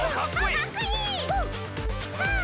かっこいい。